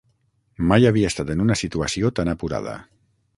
Mai havia estat en una situació tan apurada.